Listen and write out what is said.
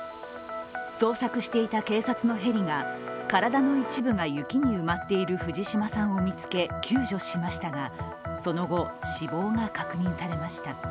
捜索していた警察のヘリが体の一部が雪に埋まっている藤島さんを見つけ救助しましたがその後、死亡が確認されました。